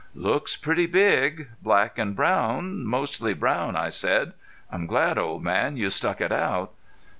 "Looks pretty big black and brown mostly brown," I said. "I'm glad, old man, you stuck it out."